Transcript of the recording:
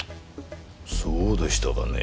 そうでしたかね？